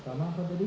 sama apa tadi